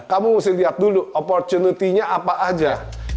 kamu mesti lihat dulu opportunity nya apa aja